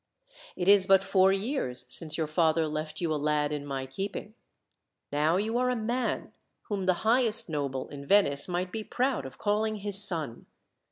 It is but four years since your father left you a lad in my keeping. Now you are a man, whom the highest noble in Venice might be proud of calling his son.